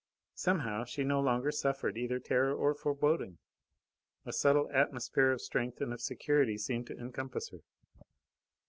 Somehow, she no longer suffered either terror or foreboding. A subtle atmosphere of strength and of security seemed to encompass her.